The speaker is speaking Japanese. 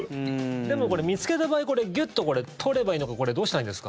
でも、これ見つけた場合ギュッと取ればいいのかどうしたらいいんですか？